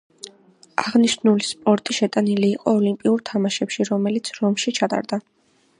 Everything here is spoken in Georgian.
აღნიშნული სპორტი შეტანილი იყო ოლიმპიურ თამაშებში, რომელიც რომში ჩატარდა.